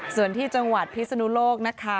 ส่วนที่จังหวัดพิศนุโลกนะคะ